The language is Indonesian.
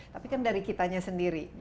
tapi kan dari kitanya sendiri